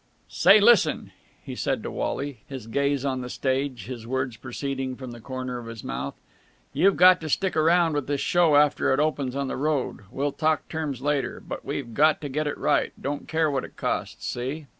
"Say, listen," he said to Wally, his gaze on the stage, his words proceeding from the corner of his mouth, "you've got to stick around with this show after it opens on the road. We'll talk terms later. But we've got to get it right, don't care what it costs. See?"